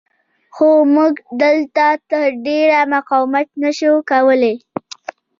خو موږ دلته تر ډېره مقاومت نه شو کولی.